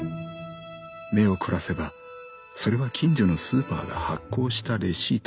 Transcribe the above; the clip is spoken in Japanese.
目を凝らせばそれは近所のスーパーが発行したレシートだった。